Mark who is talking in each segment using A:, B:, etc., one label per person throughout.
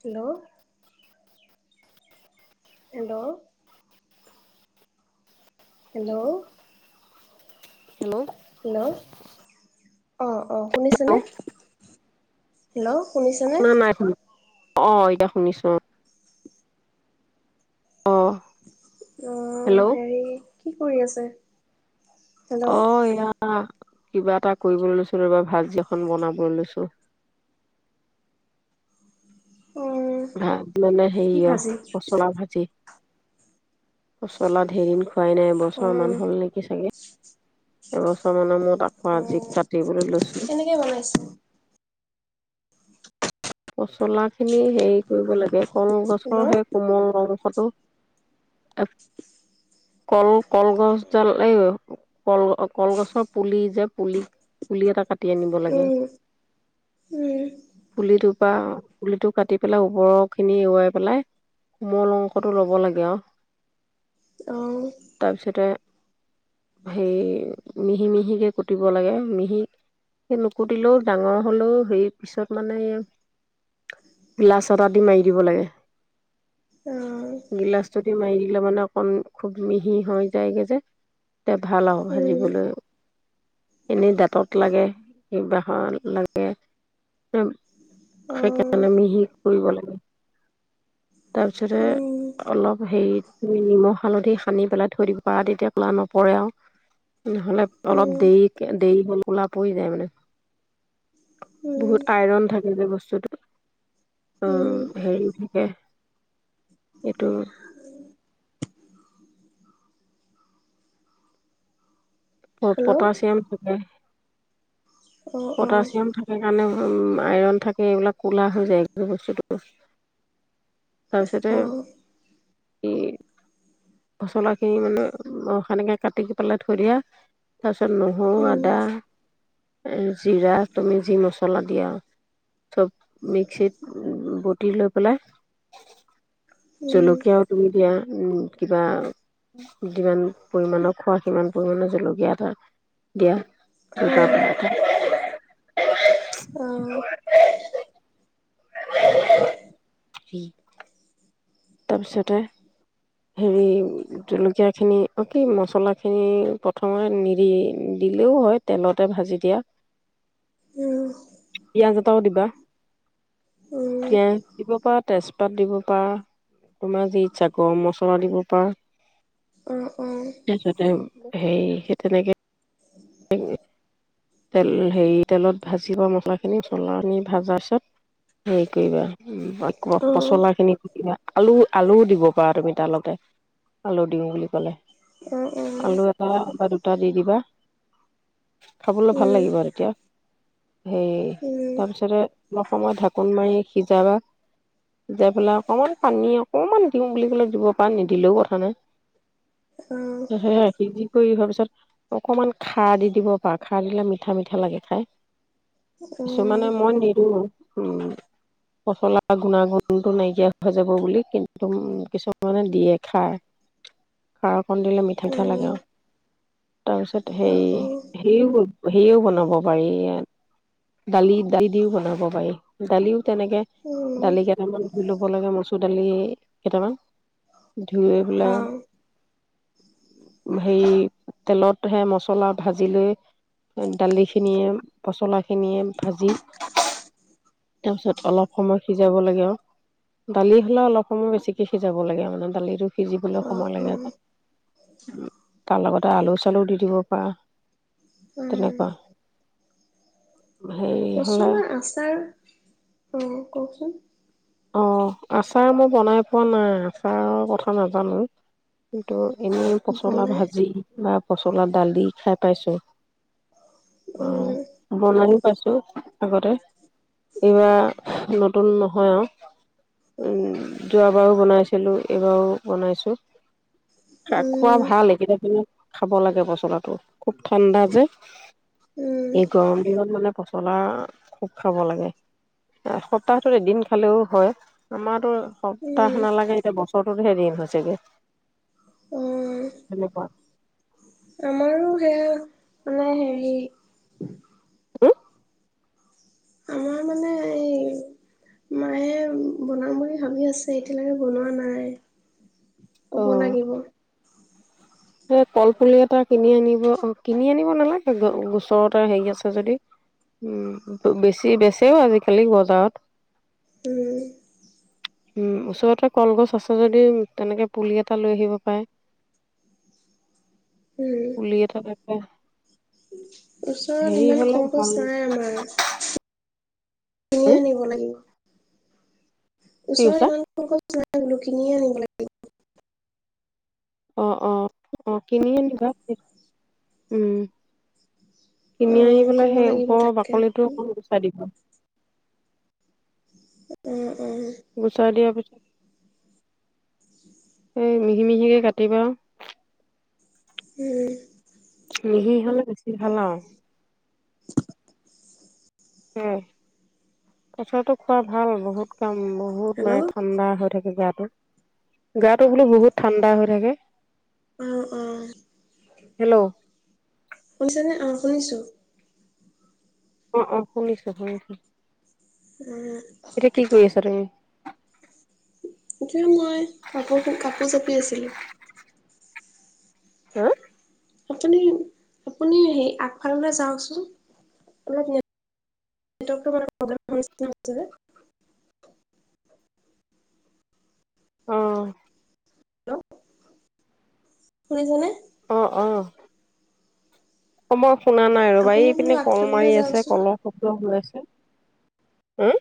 A: Hello hello hello
B: hello
A: hello অ অ শুনিছেনে হেল্ল' শুনিছেনে
B: শুনা নাই শুনা অ এতিয়া শুনিছো অ
A: অ
B: হেল্ল'
A: হেৰি কি কৰি আছে
B: অ
A: হেল্ল'
B: এয়া কিবা এটা কৰিবলৈ লৈছো ৰ'বা ভাজি এখন বনাবলৈ লৈছো
A: উম
B: ভাত মানে
A: কি
B: হেৰি অ
A: ভাজি
B: পচলা ভাজি পচলা ধেই দিন খোৱাই নাই এবছৰমান
A: উম
B: হ'ল নেকি চাগে এবছৰ মানৰ মূৰত তাকো আজি
A: উম
B: কাটিবলৈ লৈছো
A: কেনেকে বনাইছে
B: পচলা খিনি হেৰি কৰিব লাগে কল গছৰ
A: হেল্ল'
B: সেই কোমল অংশটো কল কলগছ ডাল এই কল কলগছৰ পুলি যে পুলি পুলি এটা কাটি কাতি আনিব লাগে
A: উম উম
B: পুলিটো পুলিটো কাটি পেলাই ওপৰৰ খিনি এৰুৱাই পেলাই কোমল অংশটো ল'ব লাগে আৱ
A: অ
B: হেৰি মিহি মিহিকে কুটিব লাগে মিহি কে নুকুটিলেও ডাঙৰ হলো হেই পিছত মানে এয়া গ্লাছত আদি মাৰি দিব লাগে
A: অ
B: গিলাছটোদি মাই ল লা মানে অকন খুব মিহি হৈ যায়গে যে তে ভাল আৰু
A: উম
B: ভাজিবলৈ এনেই দাঁতত লাগে কিবাহত লাগে
A: অ
B: সেইকাৰণে মিহি কৰিব লাগে। তাৰপিছতে
A: উম
B: অলপ হেৰি নিমখ হালধি সানি পেলাই থৈ দিব পাৰা তেতিয়া ক'লা নপৰে আৱ নহ'লে
A: উম
B: অলপ দেৰি দেৰি হ'লে কোলা পৰি যায় মানে
A: উম
B: বহুত আইৰন থাকে যে বস্তু চৌধয ফুট উম হেৰি থাকে এইটো পট
A: হেল্ল'
B: পটাছিয়াম থাকে।
A: অ অ
B: পটাছিয়াম থাকে কাৰণে উম আইৰণ থাকে এইবিলাক ক'লা হৈ যায় বস্তুটো তাৰপিছতে
A: অ
B: ই পচলাখিনি মানে উম সানি কেনে কাটি পেলাই দিয়া তাৰপাছত নহৰু
A: উম
B: আদা জিৰা তুমি যি মছলা দিয়া চব মিক্সিত বটি লৈ পেলাই
A: উম
B: জলকীয়াও তুমি দিয়া উ কিবা যিমান পৰিমাণৰ খোৱা সিমান পৰিমাণৰ জলকীয়া এটা দিয়া
A: অ অ
B: [unintelligible] [unintelligible] তাৰপিছতে হেৰি জলকীয়াখিনি কি মছলাখিনি প্ৰথমে নিদি দিলেও হয় তেলতে ভাজি দিয়া
A: উম
B: পিয়াজ এটাও দিবা
A: উম
B: কে দিব পৰা তেজপাত দিব পৰা তোমাৰ যি ইচ্ছা গৰম মছলা দিব পাৰা
A: আহঁ অঁ
B: সেই সেই তেনেকে তেল হেৰি তেলত ভাজিবা মছলাখিনি মছলাখিনি ভাজাৰ পিছত হেৰি কৰিবা
A: উম, উম,
B: পচলাখিনি তেতি আলু আলুও দিব পাৰা তুমি তালতে আলু দিওঁ বুলি ক'লে।
A: অ', অ', উম,
B: আলু এটা বা দুটা টা দি দিবা খাবলৈ ভাল লাগিব আৰু তেতিয়া সেই তাৰপিছতেই অলপ সময় ঢাকোন মাৰি সিজাবা সিজাই পেলাই অকমান পানী অকমান দিওঁ বুলি কলে দিবৰ পৰা নিদিলেও কথা নাই। হে স কি কৰি ভাবছো অকমান খাৰ দি দিব পাৰ খাৰ দিলে মিঠা মিঠা লাগে খাই। কিছুমানে মই নিদো উম পচলা গুণাগুণটো নাইকিয়া হৈ যাব বুলি কিন্তু উ কিছুমানে দিয়ে খায়, খাৰক কণ দিলে মিঠা মিঠা লাগে আৰু তাৰপিছত সেই সেই সেও বনাব পাৰি ইয়াত দালি দালি দিও বনাব পাৰি। দালিও তেনেকে দালি কেইটামান ধুই ল'ব লাগে মচুৰ দালি কেইটামান ধুই পেলাই।
A: অ',
B: হেৰি তেলত সে মছলা ভাজি লৈ দালি খিনিয়ে পচলা খিনিয়ে ভাজি তাৰপিছত অলপ সময় সিজাব লাগে আৰু দালি হ'লে অলপ সময় বেছিকে সিজাব লাগে মানে দালিটো সিজিবলৈ
A: অ',
B: সময় লাগে আ তাৰ লগত এটা আলো চাউল উ ডি দিব পাৰা।
A: উম।
B: হেৰি হ'লে
A: পচলা আচাৰ অ কওকচোন
B: অ আচাৰ মই বনাই পোৱা নাই আচাৰৰ কথা নাজানো। কিন্তু এনেই পচলা
A: বনাই
B: ভাজি বা পচলা ডালি দি খাই পাইছো।
A: উম,
B: অ বনাই পাইছো আগতে এইবাৰ ন [unintelligible] নহয় আৰু উম যোৱাবাৰো বনাইছিলোঁ এইবাৰো বনাইছোঁ। খ খোৱা
A: উম,
B: ভাল [unintelligible] খাব লাগে পচলাটো খুব ঠাণ্ডা যে এই গৰম দিনত মানে পচলা খুব খাব লাগে। এসপ্তাহ ভিতৰত এদিন খালেও হয়, আমাৰতো সপ্তাহ
A: উম,
B: নালাগে এতিয়া বছৰ হেৰি হৈছে গৈ
A: অ',
B: সেনেকুৱা
A: আমাৰো সেয়া মানে হেৰি আমাৰ মানে এই মায়ে বনাম বুলি ভাবি আছে। কব লাগিব।
B: এই কলপুলি এটা কিনি আনিব অ কিনি আনিব নালাগে গ গোচৰতে হেৰি আছে যদি উম বেছি বেচেও আজিকালি বজাৰত।
A: উম
B: উম, ওচৰতে কলগছ আছে যদি তেনেকে পুলি এটা লৈ আহিব পাৰে।
A: উম।
B: পুলি এটা [unintelligible]
A: ওচৰত
B: হেৰি
A: ইমান
B: হলে ভাল
A: কলগছ নাই আমাৰ। কিনিয়ে
B: হ
A: আনিব লাগিব।
B: কি
A: ওচৰত
B: কৈছা
A: ইমান [unintelligible] কিনিয়ে আনিব লাগিব।
B: অ অ অ কিনি আনিবা উম
A: অ
B: কিনি আনি পেলাই
A: ক'ব
B: সেই
A: লাগিব
B: ওপৰৰ
A: তাকে।
B: বাকলিটো অকণ গুচাই দিব।
A: উম।
B: গুচাই দিয়া পিছ এই মিহি মিহিকে কাটিবা।
A: উম।
B: মিহি হ'লে বেছি ভাল আৰু। উম, পচলাটো খোৱা ভাল বহুত কাম উম বহুত মানে
A: হেল্ল'
B: ঠাণ্ডা হয়। থাকে গাটো। গাটো বোলো বহুত ঠাণ্ডা হৈ থাকে।
A: অঁ অঁ,
B: হেল্ল'
A: শুনিছেনে? অঁ শুনিছোঁ।
B: অ' অ' শুনিছো, শুনিছো।
A: অ
B: এতিয়া কি কৰি আছা তুমি?
A: এতিয়া মই কাপোৰ কাপোৰ জাপি আছিলোঁ।
B: হা।
A: আপুনি আপুনি আগফাললে যে যাওক চোন অলপ নেটৱৰ্ক টোৰ কাৰণে প্ৰবলেম হৈছে।
B: অ'।
A: হেল্ল শুনিছা নে?
B: অ' অ' সময় শুনা নাই আৰু বা
A: আপুনি
B: এই
A: বোলো
B: পিনে কল
A: আগফাললৈ
B: মাৰি আছে
A: যাওকচোন
B: কলৰ শব্দ হৈ আছে। হম।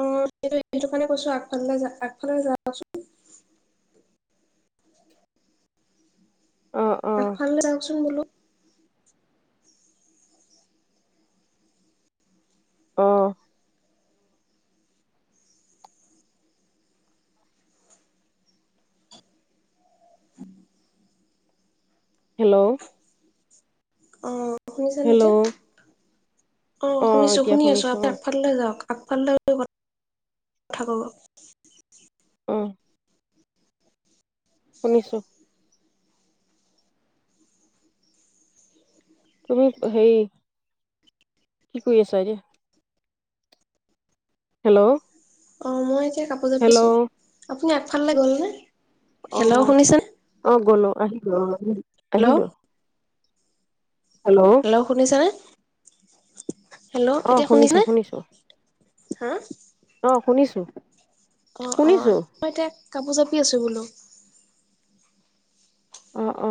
A: অ' স সেইটো কাৰণে কৈছো আগফালে য আগফালে যাওচোন।
B: অ অ
A: আগফালে যাওকচোন বোলো।
B: অ'। হেল্ল'।
A: অ'। শুনিছানে এতিয়া?
B: হেল্ল'
A: অ' শুনিছো
B: এতিয়া
A: শুনি আছো
B: শুনিছো
A: আপুনি
B: অ
A: আগফালৈ যাওক। আগফাললৈ গৈ কথা ক'ব।
B: উম। তুমি হেৰিকি কৰি আছা এতিয়া? হেল্ল'
A: অ' মই কাপোৰ
B: হেল্ল'
A: জাপিছো। আপুনি আগফাললৈ গ'লনে?
B: অ
A: হেল্ল' শুনিছে?
B: অ গ'লো আহিলো অ' দেই। আহিলো।
A: হেল্ল' শুনিছানে [unintelligible]
B: অ শুনিছো শুনিছো
A: হা
B: অ শুনিছো
A: অ অ
B: শুনিছো
A: মই এতিয়া কাপোৰ জাপি আছো বোলো [unintelligible]
B: অ অ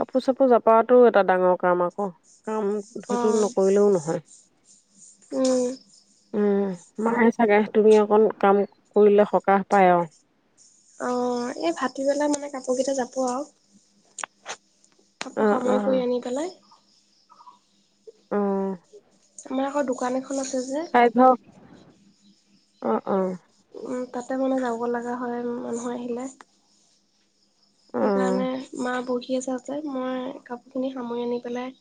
B: কাপোৰ চাপোৰ জপাটো এটা ডাঙৰ কাম আকৌ কাম
A: অ
B: সেইটো নকৰিলেও নহয়
A: উম
B: উম মায়ে চাগে তুমি অকণ কাম কৰিলে সকাহ পায় আৰু
A: অঅঅ এই ভাটিবেলা মানে কাপোৰ কেইটা জাপো আউ।
B: অ
A: সামৰি
B: অ
A: কৰি আনি বেলাই-
B: অ',
A: তোমাৰ আকৌ দোকান এখ- [unintelligible] যে-
B: ঠাইডোখৰ অ অঅ।
A: তাতে মানে যাব লাগা হয় আৰু মানুহ আহিলে।
B: অ',
A: সেইকাৰণেএ মা [unintelligible] [unintelligible] মই কাপোৰখিনি সামৰি আনি পেলাই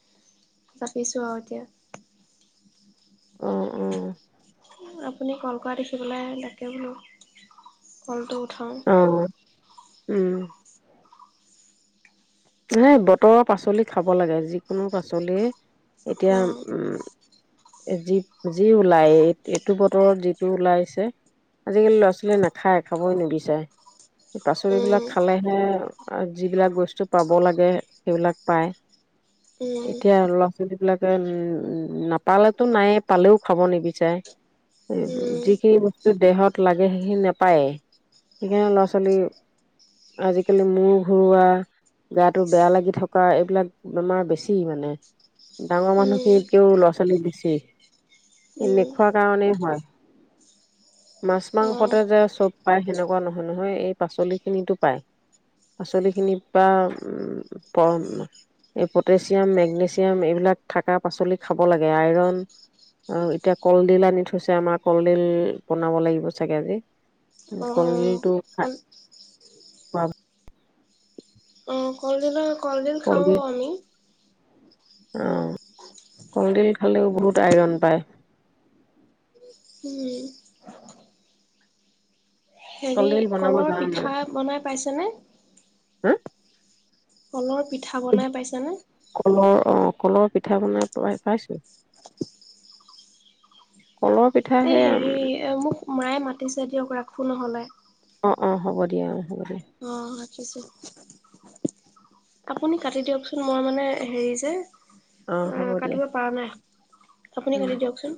A: জাপিছোঁ আৰু এতিয়া।
B: অ অঅ।
A: আপুনি কল কৰা দেখিবলাই তাকে বোলো কলটো- থ-
B: উমম। হে বতৰৰ পাচলি খাব লাগে। যিকোনো পাচলিয়ে- এতিয়া
A: অঁ
B: উমম- এ যি, যি ওলাই এইটো বতৰত যিটো ওলাইছে। আজিকালি ল'ৰা ছোৱালীয়ে নাখায়, খাবই নিবিচাৰে। পাচলি বিলাক
A: উম
B: খালেহেএ- আৰু যিবিলাক বস্তু- পাব লাগে, সেইবিলাক পায়।
A: উম
B: এতিয়া ল'ৰা-ছোৱালী বিলাক- মম নাপালেতো নায়ে, পালেও খাব নিবিচাৰে।
A: উম
B: যিখিনি বস্তু দেহত- লাগে সেইখিনি নাপায়েই। সেইকাৰণে ল'ৰা-ছোৱালী আজিকালি মূৰ ঘূৰোৱা- গাটো বেয়া লাগি থকা, এইবিলাক বেমাৰ বেছি মানে। ডাঙৰ মানুহখিনিতকেও ল'ৰা-ছোৱালী বেছি। এ নোখোৱা কাৰণেই হোৱা- মাছ
A: উম
B: মাংসতে যে চব পাই সেনেকুৱা নহ- নহয় এই পাচলি খিনিটো পায়। পাচলি খিনি- বা আ পম এই পটেছিয়াম, মেগনেছিয়াম এইবিলাক থাকা পাচলি খাব লাগে আইৰন, এতিয়া কলডিল আনি থৈছে আমাৰ কলডিল বনাব লাগিব চাগে আজি।
A: উম
B: কলডিলটো খা
A: অঁ
B: খোৱাটো
A: অ অ, কলডিলৰ- কলডিল খাওঁ আমি।
B: অ অ অ কলডিল খালেও বহুত আইৰণ পায়।
A: উম্। হেৰি
B: কলডিল বনাব
A: কলৰ
B: জানা নাই?
A: পিঠা বনাই পাইছেনে?
B: হা?
A: কলৰ পিঠা বনাই পাইছানে?
B: কলৰ অ' কলৰ পিঠা বনাই পা পাইছোঁ। কলৰ পিঠা
A: এই
B: সেয়া
A: হেৰি মোক মায়ে মাতিছে দিয়ক ৰাখোঁ নহলে।
B: অ, অ হ'ব দিয়া অ। হ'ব দিয়া
A: অ ৰাখিছোঁ। আপুনি কাটি দিয়কচোন মই মানে হেৰি যে
B: অ' হ'ব
A: আহ
B: দিয়া
A: কাটিব পাৰা নাই। আপুনি
B: উম।
A: কাটি দিয়কচোন।